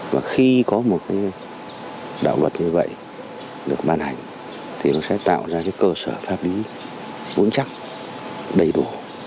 và khi có một đạo luật như vậy được ban hành thì nó sẽ tạo ra cái cơ sở pháp lý vững chắc đầy đủ